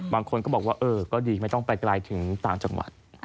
บางคนก็บอกว่าเออก็ดีไม่ต้องไปไกลถึงต่างจังหวัด